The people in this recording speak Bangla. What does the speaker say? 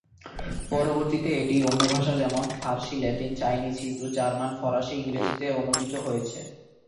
পরবর্তীতে এটি অন্য ভাষা যেমন ফারসি, ল্যাটিন, চাইনিজ, হিব্রু, জার্মান, ফরাসি, ইংরেজিতে অনূদিত হয়েছে।